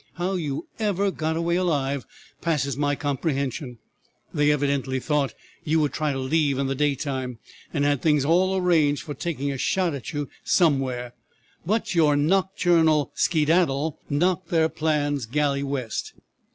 How you ever got away alive passes my comprehension. They evidently thought that you would try to leave in the day time, and had things all arranged for taking a shot at you somewhere, but your nocturnal skedaddle knocked their plans galley west.